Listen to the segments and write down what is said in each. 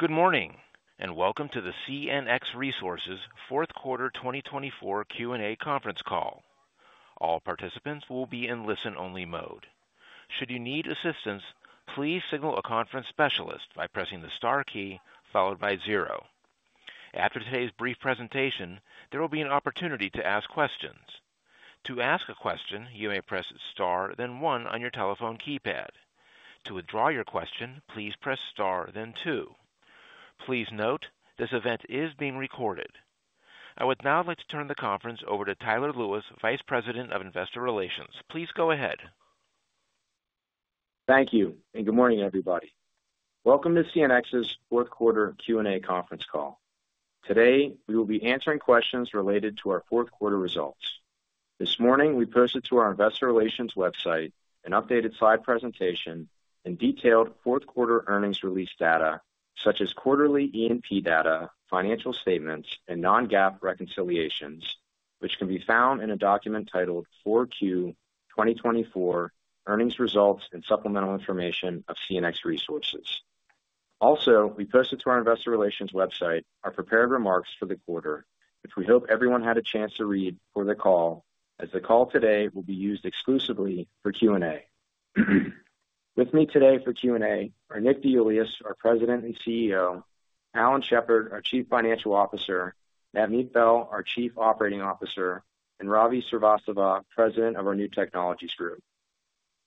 Good morning and welcome to the CNX Resources Q4 2024 Q&A Conference Call. All participants will be in listen-only mode. Should you need assistance, please signal a conference specialist by pressing the star key followed by 0. After today's brief presentation, there will be an opportunity to ask questions. To ask a question, you may press star then 1 on your telephone keypad. To withdraw your question, please press star then 2. Please note, this event is being recorded. I would now like to turn the conference over to Tyler Lewis, Vice President of Investor Relations. Please go ahead. Thank you and good morning, everybody. Welcome to CNX's Q4 Q&A Conference Call. Today, we will be answering questions related to our Q4 results. This morning, we posted to our Investor Relations website an updated slide presentation and detailed Q4 earnings release data, such as quarterly E&P data, financial statements, and non-GAAP reconciliations, which can be found in a document titled 4Q 2024 Earnings Results and Supplemental Information of CNX Resources. Also, we posted to our Investor Relations website our prepared remarks for the quarter, which we hope everyone had a chance to read for the call, as the call today will be used exclusively for Q&A. With me today for Q&A are Nick Deiuliis, our President and CEO, Alan Shepard, our Chief Financial Officer, Navneet Behl, our Chief Operating Officer, and Ravi Srivastava, President of our New Technologies Group.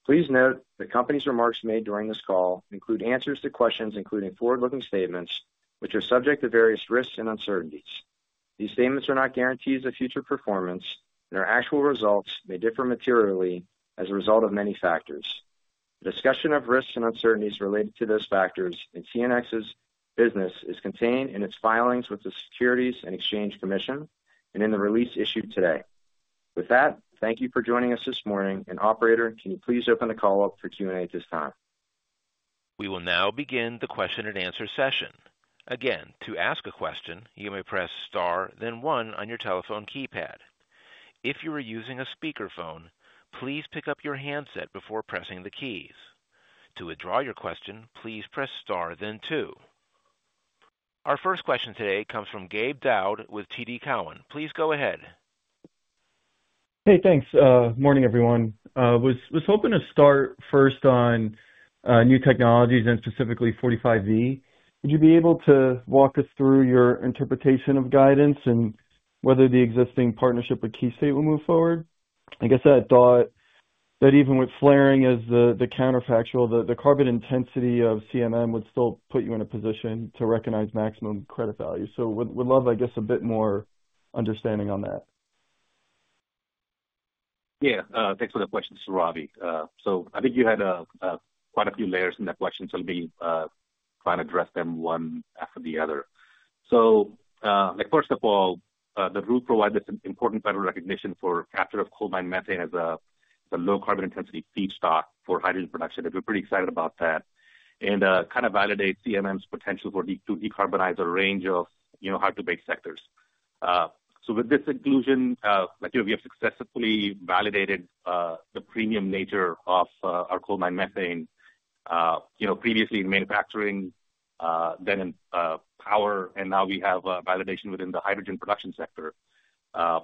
Please note that the company's remarks made during this call include answers to questions, including forward-looking statements, which are subject to various risks and uncertainties. These statements are not guarantees of future performance and our actual results may differ materially as a result of many factors. The discussion of risks and uncertainties related to those factors in CNX's business is contained in its filings with the Securities and Exchange Commission and in the release issued today. With that, thank you for joining us this morning and Operator, can you please open the call up for Q&A at this time? We will now begin the question-and-answer session. Again, to ask a question, you may press star then 1 on your telephone keypad. If you are using a speakerphone, please pick up your handset before pressing the keys. To withdraw your question, please press star then 2. Our first question today comes from Gabe Daoud with TD Cowen. Please go ahead. Hey, thanks. Morning, everyone. I was hoping to start first on New Technologies and specifically 45V. Would you be able to walk us through your interpretation of guidance and whether the existing partnership with KeyState will move forward? I guess I thought that even with flaring as the counterfactual, the carbon intensity of CMM would still put you in a position to recognize maximum credit value. So would love, I guess, a bit more understanding on that. Yeah. Thanks for the question. This is Ravi. So I think you had quite a few layers in that question, so I'll be trying to address them one after the other. So first of all, the rule provides us important federal recognition for capture of coal mine methane as a low-carbon intensity feedstock for hydrogen production we're pretty excited about that and kind of validate CMM's potential for decarbonizing a range of hard-to-abate sectors. So with this inclusion, we have successfully validated the premium nature of our coal mine methane previously in manufacturing, then in power and now we have validation within the hydrogen production sector. And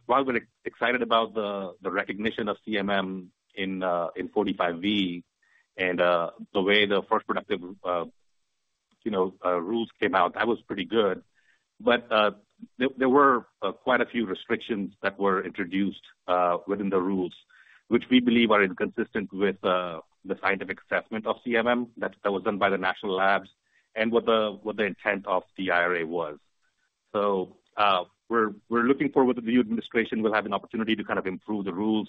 while we're excited about the recognition of CMM in 45V and the way the proposed rules came out, that was pretty good. There were quite a few restrictions that were introduced within the rules, which we believe are inconsistent with the scientific assessment of CMM that was done by the national labs and what the intent of the IRA was. We're looking forward to the new administration will have an opportunity to kind of improve the rules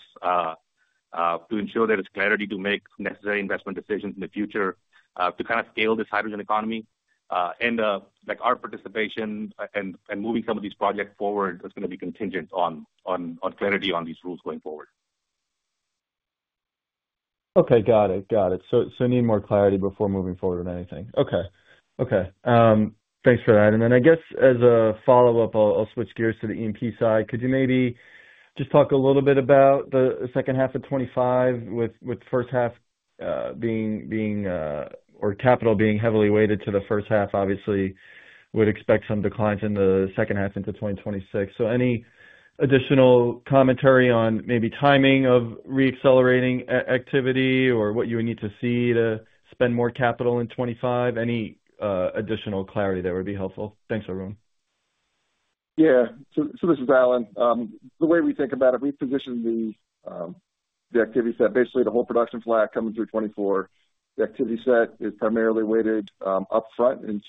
to ensure there is clarity to make necessary investment decisions in the future to kind of scale this hydrogen economy. Our participation and moving some of these projects forward is going to be contingent on clarity on these rules going forward. Okay. Got it, got it. So you need more clarity before moving forward with anything. Okay, okay. Thanks for that and then I guess as a follow-up, I'll switch gears to the E&P side. Could you maybe just talk a little bit about the second half of 25, with first half being or capital being heavily weighted to the first half? Obviously would expect some declines in the second half into 2026. So any additional commentary on maybe timing of re-accelerating activity or what you would need to see to spend more capital in 25? Any additional clarity that would be helpful? Thanks, everyone. Yeah, so this is Alan. The way we think about it, we position the activity set, basically the whole production flat coming through 24. The activity set is primarily weighted upfront in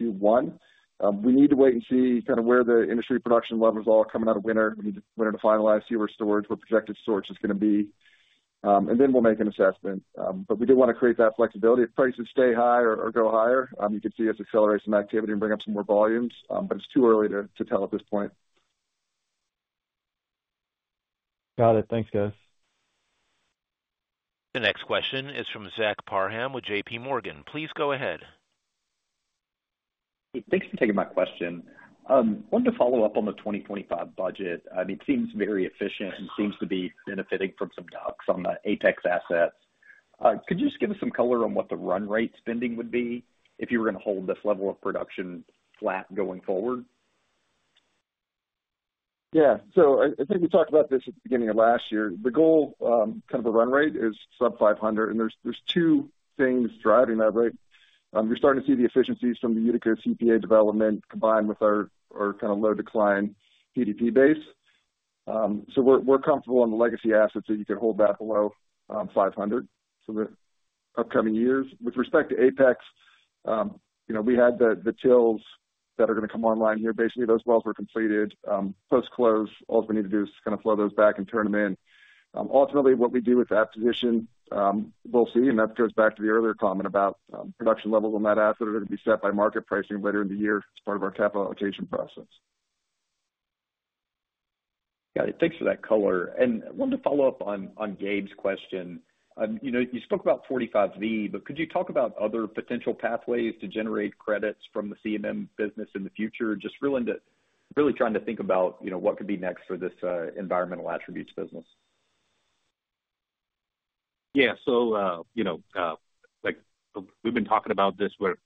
Q1. We need to wait and see kind of where the industry production levels are coming out of winter, we need winter to finalize, see where storage, where projected storage is going to be. And then we'll make an assessment but we do want to create that flexibility. If prices stay high or go higher, you could see us accelerate some activity and bring up some more volumes. But it's too early to tell at this point. Got it. Thanks, guys. The next question is from Zach Parham with JP Morgan. Please go ahead. Thanks for taking my question. I wanted to follow up on the 2025 budget. I mean, it seems very efficient and seems to be benefiting from some DUCs on the Apex assets. Could you just give us some color on what the run rate spending would be if you were going to hold this level of production flat going forward? Yeah, so I think we talked about this at the beginning of last year. The goal kind of a run rate is sub-500, and there's 2 things driving that rate. You're starting to see the efficiencies from the Utica CPA development combined with our kind of low decline PDP base. So we're comfortable on the legacy assets that you could hold that below 500 for the upcoming years. With respect to APEX, we had the chills that are going to come online here. Basically, those wells were completed. Post-close, all we need to do is kind of flow those back and turn them in. Ultimately, what we do with that position, we'll see, and that goes back to the earlier comment about production levels on that asset are going to be set by market pricing later in the year as part of our capital allocation process. Got it. Thanks for that color and I wanted to follow up on Gabe's question. You spoke about 45V, but could you talk about other potential pathways to generate credits from the CMM business in the future? Just really trying to think about what could be next for this environmental attributes business. Yeah. So we've been talking about this where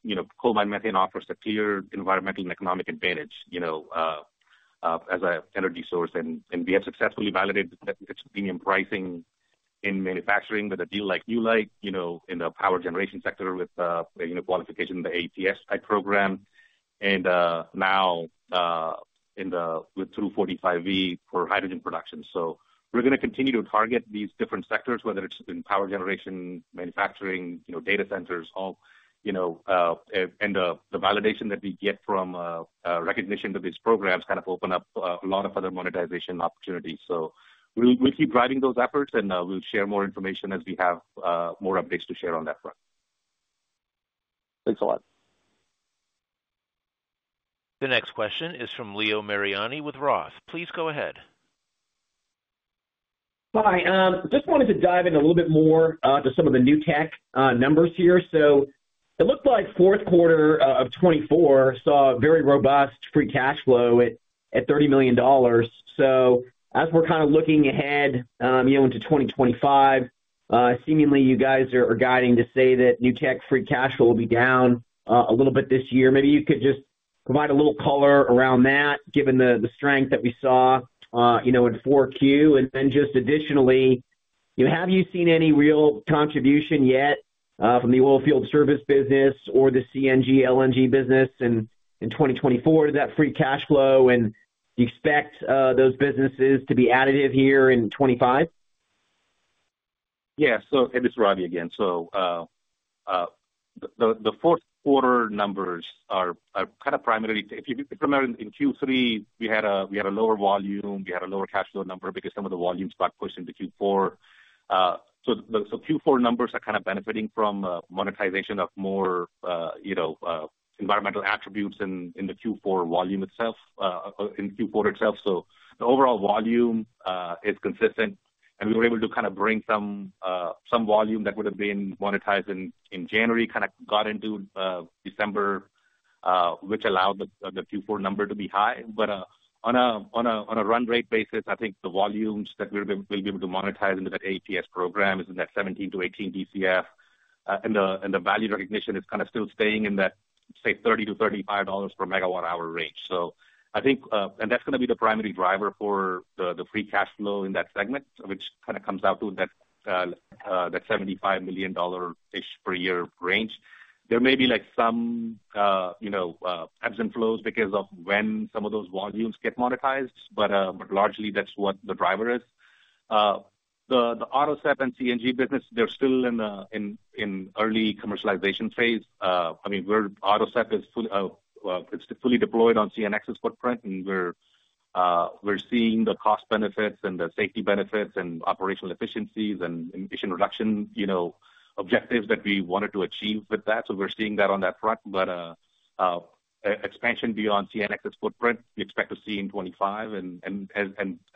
coal-mined methane offers a clear environmental and economic advantage as an energy source and we have successfully validated premium pricing in manufacturing with a deal like you like in the power generation sector with qualification in the ATS Type Program and now we're through 45V for hydrogen production. So we're going to continue to target these different sectors, whether it's in power generation, manufacturing, data centers, and the validation that we get from recognition of these programs kind of open up a lot of other monetization opportunities. So we'll keep driving those efforts, and we'll share more information as we have more updates to share on that front. Thanks a lot. The next question is from Leo Mariani with Roth. Please go ahead. Hi. Just wanted to dive in a little bit more to some of the new tech numbers here, so it looked like Q4 of 24 saw very robust free cash flow at $30 million, so as we're kind of looking ahead into 2025, seemingly you guys are guiding to say that new tech free cash flow will be down a little bit this year. Maybe you could just provide a little color around that, given the strength that we saw in 4Q, and then just additionally, have you seen any real contribution yet from the oil field service business or the CNG, LNG business in 2024 to that free cash flow? And do you expect those businesses to be additive here in 25? Yeah, so this is Ravi again. So the Q4 numbers are kind of primarily if you remember in Q3, we had a lower volume. We had a lower cash flow number because some of the volumes got pushed into Q4. So Q4 numbers are kind of benefiting from monetization of more environmental attributes in the Q4 volume itself, in Q4 itself. So the overall volume is consistent. And we were able to kind of bring some volume that would have been monetized in January, kind of got into December, which allowed the Q4 number to be high. But on a run rate basis, I think the volumes that we'll be able to monetize into that ATS Program is in that 17-18 BCF and the value recognition is kind of still staying in that, say, $30-$35 per megawatt hour range. So I think, and that's going to be the primary driver for the free cash flow in that segment, which kind of comes out to that $75 million-ish per year range. There may be some ebbs and flows because of when some of those volumes get monetized, but largely that's what the driver is. The AutoSep and CNG business, they're still in early commercialization phase. I mean, AutoSep is fully deployed on CNX's footprint, and we're seeing the cost benefits and the safety benefits and operational efficiencies and emission reduction objectives that we wanted to achieve with that so we're seeing that on that front. But expansion beyond CNX's footprint, we expect to see in 25 and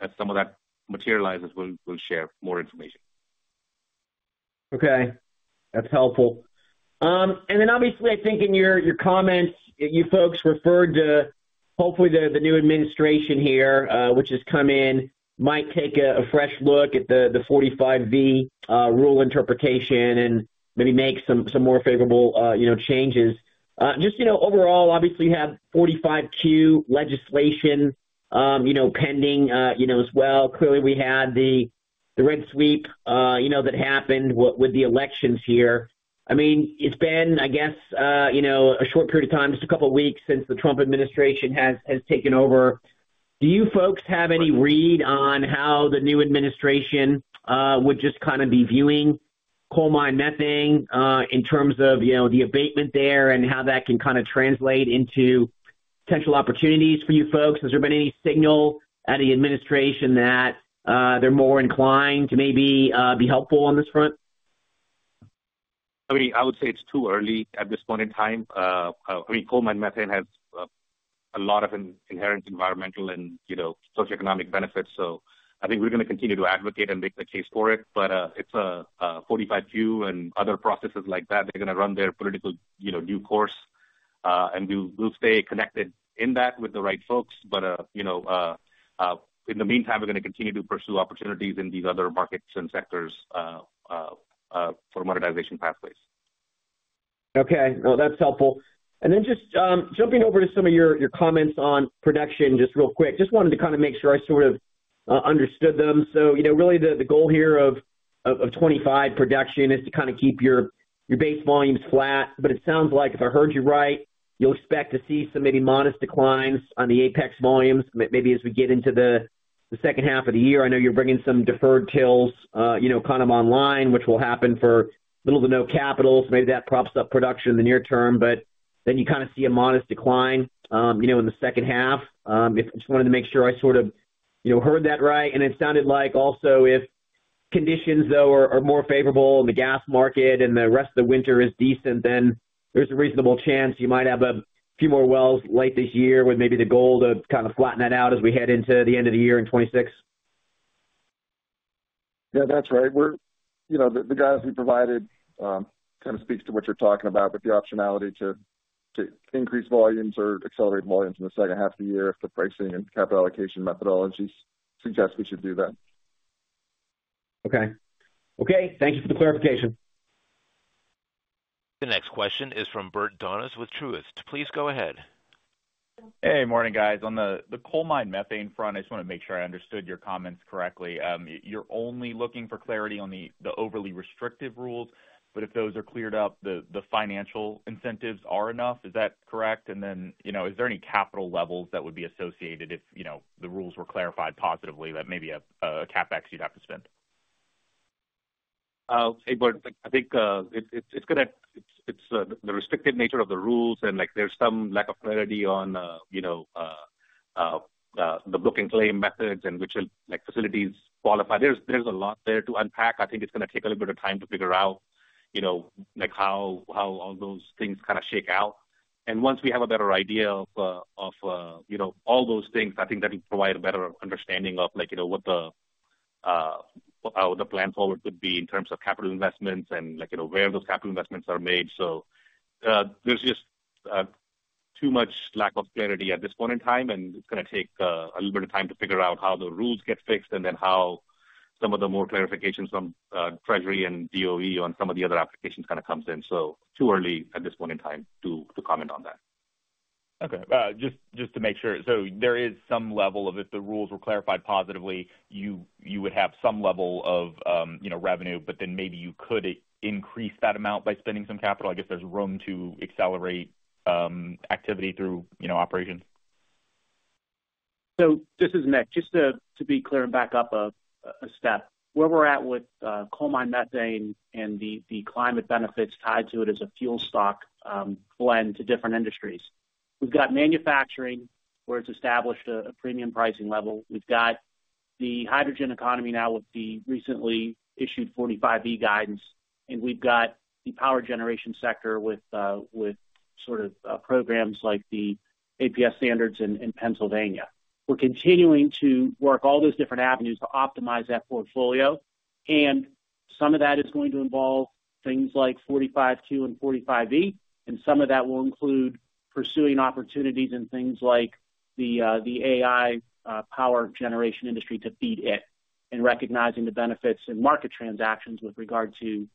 as some of that materializes, we'll share more information. Okay. That's helpful and then obviously, I think in your comments, you folks referred to hopefully the new administration here, which has come in, might take a fresh look at the 45V rule interpretation and maybe make some more favorable changes. Just overall, obviously, you have 45Q legislation pending as well. Clearly, we had the red wave that happened with the elections here. I mean, it's been, I guess, a short period of time, just a couple of weeks since the Trump administration has taken over. Do you folks have any read on how the new administration would just kind of be viewing coal mine methane in terms of the abatement there and how that can kind of translate into potential opportunities for you folks? Has there been any signal at the administration that they're more inclined to maybe be helpful on this front? I mean, I would say it's too early at this point in time. I mean, coal mine methane has a lot of inherent environmental and socioeconomic benefits. So I think we're going to continue to advocate and make the case for it but it's a 45Q and other processes like that. They're going to run their political new course. And we'll stay connected in that with the right folks. But in the meantime, we're going to continue to pursue opportunities in these other markets and sectors for monetization pathways. Okay. Well, that's helpful. And then just jumping over to some of your comments on production, just real quick, just wanted to kind of make sure I sort of understood them. So really, the goal here of 25 production is to kind of keep your base volumes flat but it sounds like, if I heard you right, you'll expect to see some maybe modest declines on the Apex volumes, maybe as we get into the second half of the year. I know you're bringing some deferred wells kind of online, which will happen for little to no capital so maybe that props up production in the near term but then you kind of see a modest decline in the second half. Just wanted to make sure I sort of heard that right. It sounded like also if conditions, though, are more favorable in the gas market and the rest of the winter is decent, then there's a reasonable chance you might have a few more wells late this year with maybe the goal to kind of flatten that out as we head into the end of the year in 26. Yeah, that's right. The guidance we provided kind of speaks to what you're talking about with the optionality to increase volumes or accelerate volumes in the second half of the year if the pricing and capital allocation methodologies suggest we should do that. Okay. Okay. Thank you for the clarification. The next question is from Bert Donnes with Truist. Please go ahead. Hey, morning, guys. On the coal mine methane front, I just want to make sure I understood your comments correctly. You're only looking for clarity on the overly restrictive rules, but if those are cleared up, the financial incentives are enough. Is that correct? And then, is there any capital levels that would be associated if the rules were clarified positively that maybe a CapEx you'd have to spend? Okay, Bert, I think it's the restrictive nature of the rules and there's some lack of clarity on the book and claim methods and which facilities qualify. There's a lot there to unpack. I think it's going to take a little bit of time to figure out how all those things kind of shake out and once we have a better idea of all those things, I think that will provide a better understanding of what the plan forward could be in terms of capital investments and where those capital investments are made. So there's just too much lack of clarity at this point in time, and it's going to take a little bit of time to figure out how the rules get fixed and then how some of the more clarifications from Treasury and DOE on some of the other applications kind of come in so too early at this point in time to comment on that. Okay. Just to make sure, so there is some level of if the rules were clarified positively, you would have some level of revenue, but then maybe you could increase that amount by spending some capital. I guess there's room to accelerate activity through operating. So this is Nick. Just to be clear and back up a step, where we're at with coal mine methane and the climate benefits tied to it as a fuel stock blend to different industries. We've got manufacturing where it's established a premium pricing level. We've got the hydrogen economy now with the recently issued 45V guidance and we've got the power generation sector with sort of programs like the APS standards in Pennsylvania. We're continuing to work all those different avenues to optimize that portfolio. And some of that is going to involve things like 45Q and 45V. And some of that will include pursuing opportunities in things like the AI Power Generation Industry to feed it and recognizing the benefits in market transactions with regard to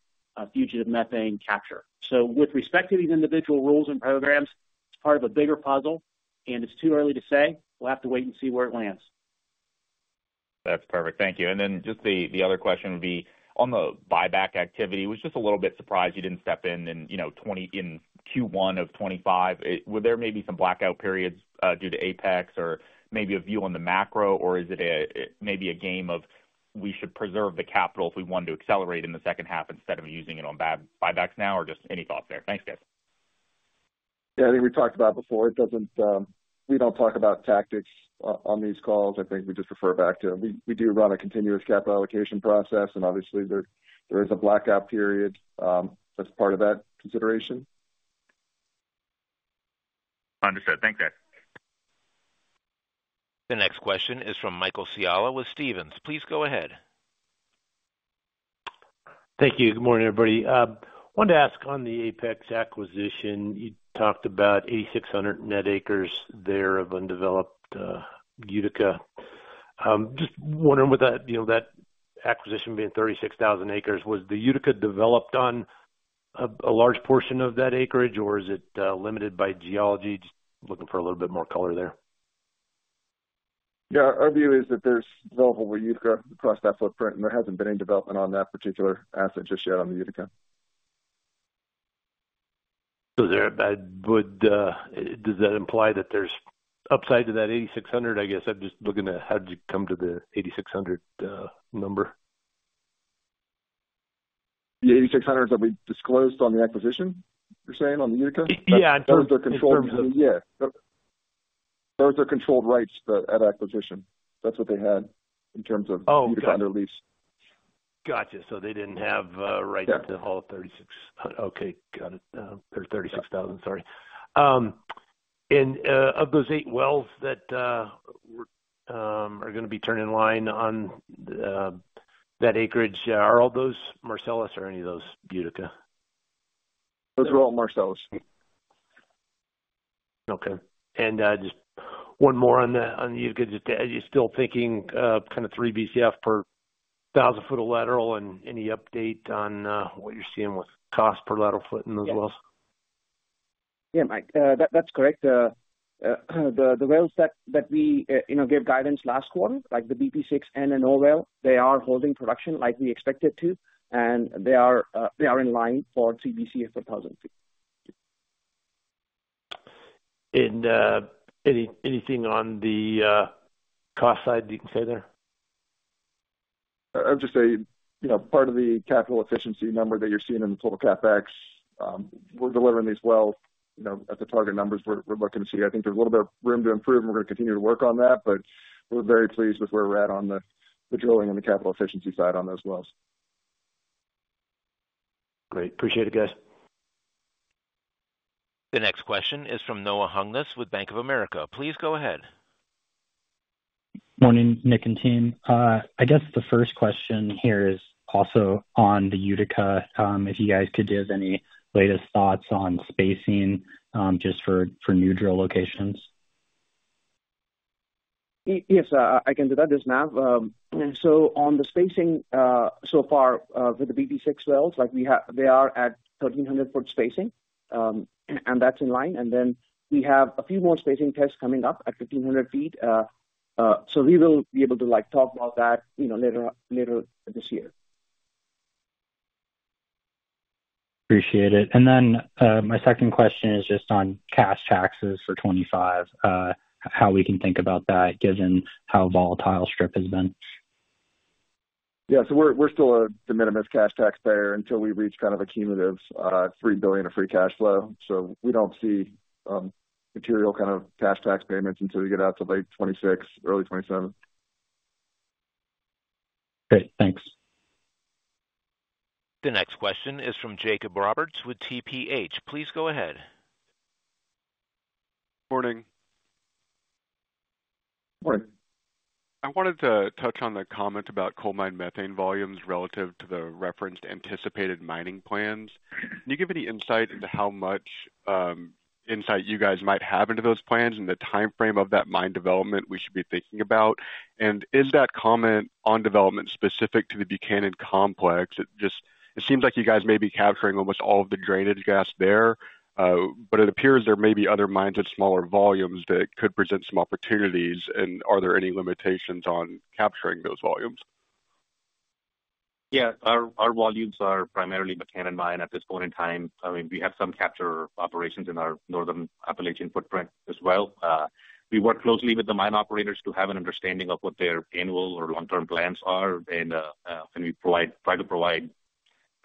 fugitive methane capture. So with respect to these individual rules and programs, it's part of a bigger puzzle. It's too early to say. We'll have to wait and see where it lands. That's perfect. Thank you and then just the other question would be on the buyback activity. I was just a little bit surprised you didn't step in in Q1 of 25. Were there maybe some blackout periods due to APEX or maybe a view on the macro, or is it maybe a game of we should preserve the capital if we want to accelerate in the second half instead of using it on buybacks now, or just any thoughts there? Thanks, guys. Yeah, I think we talked about it before. We don't talk about tactics on these calls. I think we just refer back to we do run a continuous capital allocation process, and obviously, there is a blackout period that's part of that consideration. Understood. Thanks, guys. The next question is from Michael Scialla with Stephens. Please go ahead. Thank you. Good morning, everybody. I wanted to ask on the Apex acquisition. You talked about 8,600 net acres there of undeveloped Utica. Just wondering with that acquisition being 36,000 acres, was the Utica developed on a large portion of that acreage, or is it limited by geology? Just looking for a little bit more color there. Yeah. Our view is that there's developable Utica across that footprint and there hasn't been any development on that particular asset just yet on the Utica. So does that imply that there's upside to that 8,600? I guess I'm just looking at how did you come to the 8,600 number? The 8,600 that we disclosed on the acquisition, you're saying, on the Utica? Yeah. Those are controlled. In terms of. Yeah. Those are controlled rights at acquisition. That's what they had in terms of Utica under lease. Gotcha. So they didn't have rights to all 3,600. Okay. Got it. There's 36,000. Sorry. And of those 8 wells that are going to be turn-in-line on that acreage, are all those Marcellus or any of those Utica? Those are all Marcellus. Okay, and just one more on the Utica. You're still thinking kind of 3 BCF per 1,000 foot of lateral, and any update on what you're seeing with cost per lateral foot in those wells? Yeah, Mike. That's correct. The wells that we gave guidance last quarter, like the BP6N and O well, they are holding production like we expected to and they are in line for 3 BCF per 1,000 feet. Anything on the cost side you can say there? I would just say part of the capital efficiency number that you're seeing in the total CapEx, we're delivering these wells at the target numbers we're looking to see. I think there's a little bit of room to improve. We're going to continue to work on that, but we're very pleased with where we're at on the drilling and the capital efficiency side on those wells. Great. Appreciate it, guys. The next question is from Noah Hungness with Bank of America. Please go ahead. Morning, Nick and team. I guess the first question here is also on the Utica. If you guys could give any latest thoughts on spacing just for new drill locations? Yes, I can do that. This is Nav. So on the spacing so far for the BP6 wells, they are at 1,300 foot spacing, and that's in line and then we have a few more spacing tests coming up at 1,500 feet. So we will be able to talk about that later this year. Appreciate it and then my second question is just on cash taxes for 25, how we can think about that given how volatile Strip has been? Yeah. So we're still a de minimis cash taxpayer until we reach kind of a cumulative $3 billion of free cash flow. So we don't see material kind of cash tax payments until we get out to late 26, early 27. Great. Thanks. The next question is from Jacob Roberts with TPH. Please go ahead. Morning. Morning. I wanted to touch on the comment about coal mine methane volumes relative to the referenced anticipated mining plans. Can you give any insight into how much insight you guys might have into those plans and the timeframe of that mine development we should be thinking about? And is that comment on development specific to the Buchanan Mine? It seems like you guys may be capturing almost all of the drainage gas there, but it appears there may be other mines with smaller volumes that could present some opportunities. And are there any limitations on capturing those volumes? Yeah, our volumes are primarily Buchanan Mine at this point in time. I mean, we have some capture operations in our Northern Appalachia footprint as well. We work closely with the mine operators to have an understanding of what their annual or long-term plans are, and we try to provide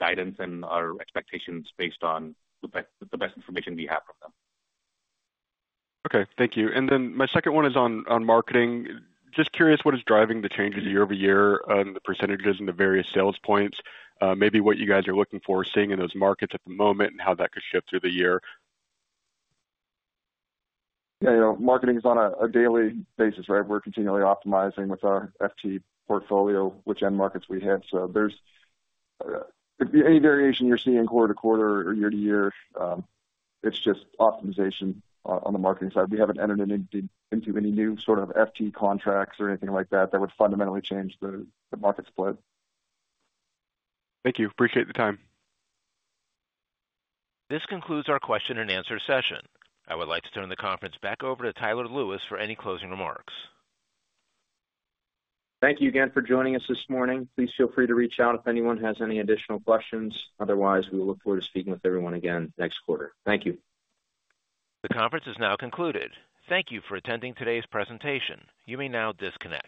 guidance and our expectations based on the best information we have from them. Okay, thank you and then my second one is on marketing. Just curious, what is driving the changes year-over-year in the percentages and the various sales points? Maybe what you guys are looking for, seeing in those markets at the moment, and how that could shift through the year. Yeah, marketing is on a daily basis, right? We're continually optimizing with our FT portfolio, which end markets we have. So any variation you're seeing quarter-to-quarter or year-to-year, it's just optimization on the marketing side. We haven't entered into any new sort of FT contracts or anything like that that would fundamentally change the market split. Thank you. Appreciate the time. This concludes our question and answer session. I would like to turn the conference back over to Tyler Lewis for any closing remarks. Thank you again for joining us this morning. Please feel free to reach out if anyone has any additional questions. Otherwise, we will look forward to speaking with everyone again next quarter. Thank you. The conference is now concluded. Thank you for attending today's presentation. You may now disconnect.